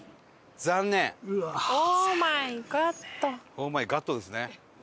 オーマイガットですね。